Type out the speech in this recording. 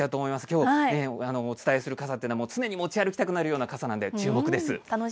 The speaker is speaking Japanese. きょうお伝えする傘というのは、常に持ち歩きたくなるような傘なんで注目です。